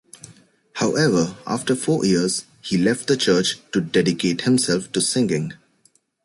However, after four years, he left the church to dedicate himself to singing.